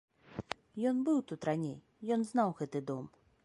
Ён быў тут раней, ён знаў гэты дом.